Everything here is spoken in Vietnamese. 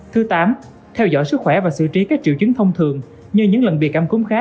thứ tám theo dõi sức khỏe và xử trí các triệu chứng thông thường như những lần việc âm cúng khác